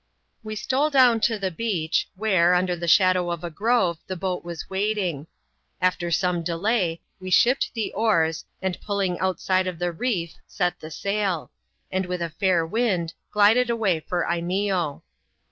We stole down to the beach, where, under the shadow of a grove, the boat was waiting. After some delay, we shipped the oars, and pulling outside of the reef, set the sail ; and with a fair wind, glided away for Imeeo.